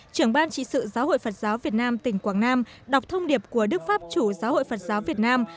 trưởng ban trị sự giáo hội phật giáo việt nam tỉnh quảng nam đọc thông điệp của đức pháp chủ giáo hội phật giáo việt nam